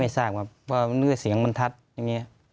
ไม่ทราบว่าเพราะเสียงมันทัดอย่างนี้